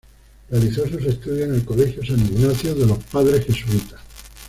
Realizó sus estudios en el Colegio San Ignacio, de los padres jesuitas.